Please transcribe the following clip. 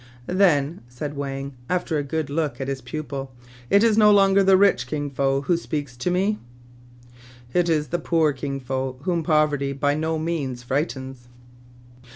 "Then," said Wang, after a good look at his pupil, " it is no longer the rich Kin Fo who speaks to me ?" "It is the poor Kin Fo, whom poverty by no means frightens."